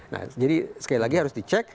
nah jadi sekali lagi harus dicek